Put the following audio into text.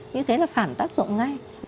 như thế là phản tác dụng ngay